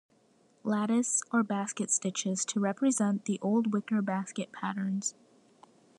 Lattice or basket stitches to represent the old wicker basket patterns.